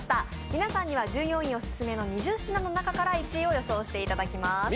皆さんには従業員オススメの２０品の中から１位を予想していただきます。